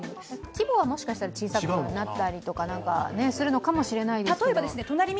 規模はもしかしたら小さくなってるかもしれないです。